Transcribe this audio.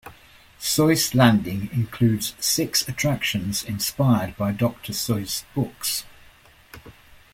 Seuss Landing includes six attractions inspired by Doctor Seuss' books.